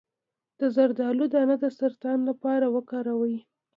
د زردالو دانه د سرطان لپاره وکاروئ